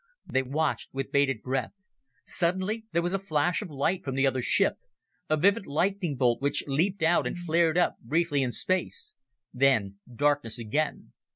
They watched with bated breath. Suddenly there was a flash of light from the other ship a vivid lightning bolt which leaped out and flared up briefly in space. Then darkness again.